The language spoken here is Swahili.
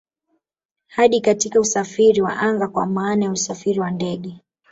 Hadi katika usafiri wa anga kwa maana ya usafiri wa ndege